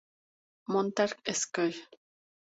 Montar Skate.